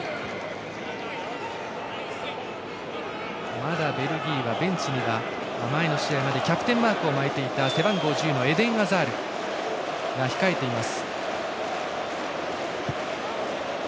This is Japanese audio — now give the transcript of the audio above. まだベルギーはベンチには前の試合までキャプテンマークを巻いていた背番号１０のエデン・アザールが控えています。